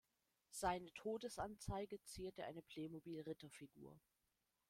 Seine Todesanzeige zierte eine Playmobil-Ritterfigur.